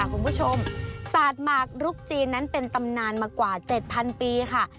คุณผู้ชมศาสตร์หมากรุกจีนนั้นเป็นตำนานมากว่า๗๐๐ปีค่ะ